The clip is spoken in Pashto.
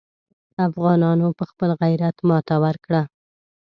افغانانو په خپل غیرت ماته ورکړه.